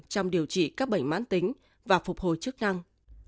trong điều trị các bệnh mãn tính và phục hồi chức năng